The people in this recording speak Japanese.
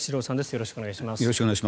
よろしくお願いします。